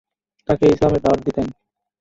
তাকে ইসলামের দাওয়াত দিতেন।